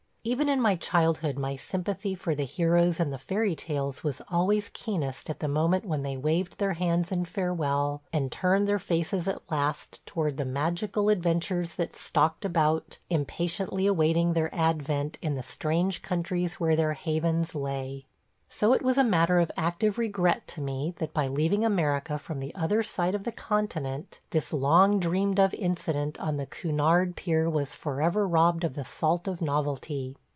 Even in my childhood my sympathy for the heroes in the fairy tales was always keenest at the moment when they waved their hands in farewell and turned their faces at last towards the magical adventures that stalked about impatiently awaiting their advent in the strange countries where their havens lay. So it was a matter of active regret to me that by leaving America from the other side of the continent, this long dreamed of incident on the Cunard pier was forever robbed of the salt of novelty.